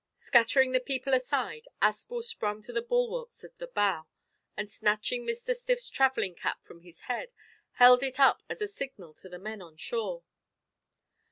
Scattering the people aside Aspel sprang on the bulwarks at the bow, and, snatching Mr Stiff's travelling cap from his head, held it up as a signal to the men on shore.